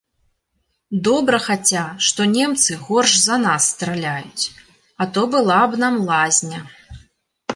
Добра хаця, што немцы горш за нас страляюць, а то была б нам лазня.